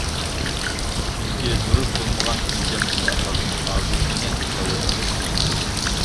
چۈنكى دۇرۇس بولمىغان ئۆلچەمسىز ئەخلاقنىڭ ئاقىۋىتىنى تەسەۋۋۇر قىلىش قىيىندۇر.